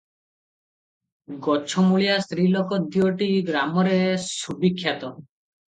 ଗଛମୁଳିଆ ସ୍ତ୍ରୀଲୋକ ଦିଓଟି ଗ୍ରାମରେ ସୁବିଖ୍ୟାତ ।